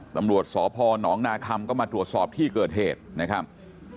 ตำรวจสพนนาคำก็มาตรวจสอบที่เกิดเหตุนะครับ